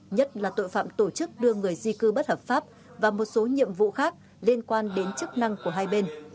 nhất là tội phạm tổ chức đưa người di cư bất hợp pháp và một số nhiệm vụ khác liên quan đến chức năng của hai bên